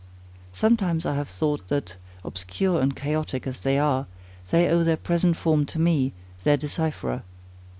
Sometimes I have thought, that, obscure and chaotic as they are, they owe their present form to me, their decipherer.